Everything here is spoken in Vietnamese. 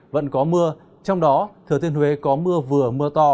vẫn có mưa trong đó thừa thiên huế có mưa vừa mưa to